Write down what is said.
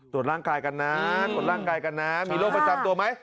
ตรวจร่างกายกันนะมีโรคประจำตัวไหม